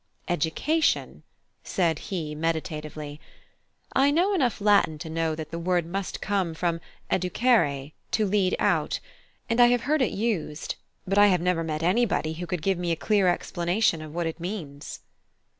"Education?" said he, meditatively, "I know enough Latin to know that the word must come from educere, to lead out; and I have heard it used; but I have never met anybody who could give me a clear explanation of what it means."